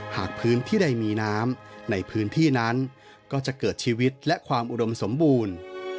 หากพื้นที่ใดมีน้ำในพื้นที่นั้นก็จะเกิดชีวิตและความอุดมสมบูรณ์